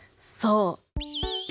そう。